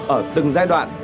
ở từng giai đoạn